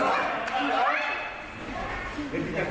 ไม่รู้อะไรกับใคร